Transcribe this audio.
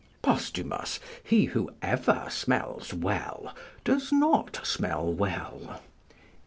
["Posthumus, he who ever smells well does not smell well."